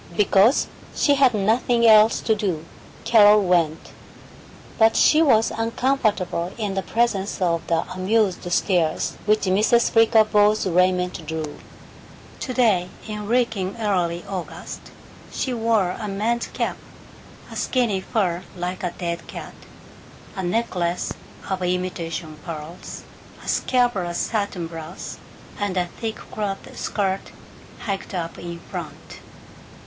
Because she had nothing else to do, Carol went. But she was uncomfortable in the presence of the amused stares which Mrs. Flickerbaugh's raiment drew. Today, in reeking early August, she wore a man's cap, a skinny fur like a dead cat, a necklace of imitation pearls, a scabrous satin blouse, and a thick cloth skirt hiked up in front.